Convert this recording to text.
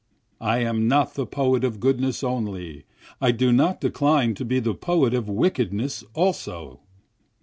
I am not the poet of goodness only, I do not decline to be the poet of wickedness also.